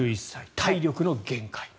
体力の限界。